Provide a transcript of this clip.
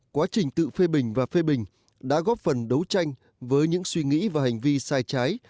quá trình tự phê bình và phê bình đã góp phần đấu tranh với những suy nghĩ và hành vi sai trái